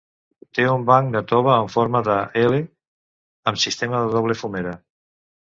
Té un banc de tova en forma d'"L", amb sistema de doble fumera.